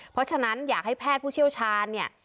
เพราะฉะนั้นอยากให้แพทย์ผู้เชี่ยวชาญเนี่ย